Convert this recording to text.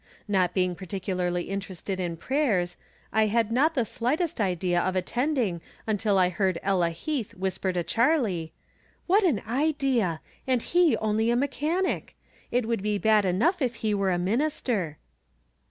Not being particularly interested in prayers, I had not the slightest idea of attend ing until I heard Ella Heath whisper to Charlie :" What an idea ! And he only a mechanic ! It would be bad enough if he were a minister